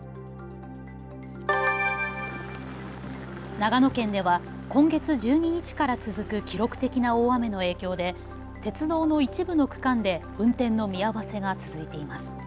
長野県では今月１２日から続く記録的な大雨の影響で鉄道の一部の区間で運転の見合わせが続いています。